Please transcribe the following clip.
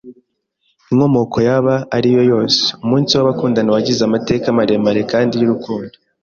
Inkomoko yaba ari yo yose, Umunsi w'abakundana wagize amateka maremare kandi y'urukundo.